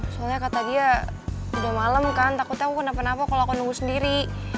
soalnya kata dia udah malem kan takutnya aku kena penapa kalau aku nunggu sendiri